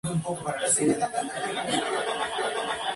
Su capital era Bujará.